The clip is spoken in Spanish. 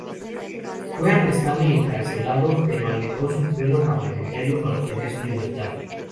Fue apresado y encarcelado, pero alegó su fuero parlamentario para obtener su libertad.